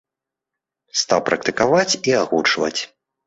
Стаў практыкаваць і агучваць.